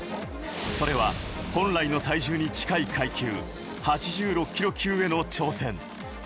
それは本来の体重に近い階級、８６ｋｇ級への挑戦。